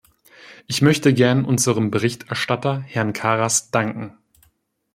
Ich möchte gern unserem Berichterstatter, Herrn Karas, danken.